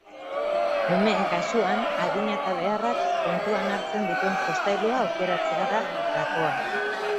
Umeen kasuan, adina eta beharrak kontuan hartzen dituen jostailua aukeratzea da gakoa.